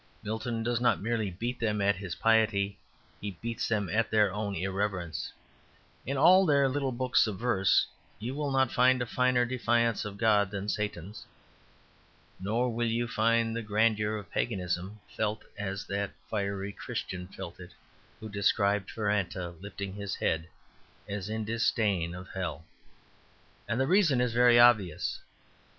Milton does not merely beat them at his piety, he beats them at their own irreverence. In all their little books of verse you will not find a finer defiance of God than Satan's. Nor will you find the grandeur of paganism felt as that fiery Christian felt it who described Faranata lifting his head as in disdain of hell. And the reason is very obvious.